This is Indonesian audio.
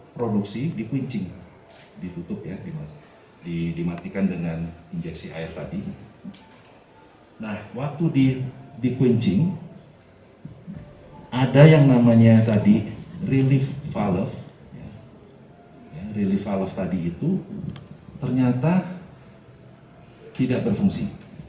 pembelian yang namanya tadi relief valve relief valve tadi itu ternyata tidak berfungsi